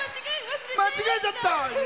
間違えちゃった。